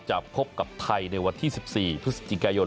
จะพบกับไทยในวันที่๑๔พฤศจิกายน